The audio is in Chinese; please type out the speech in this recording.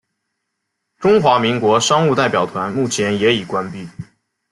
中华民国商务代表团目前也已关闭。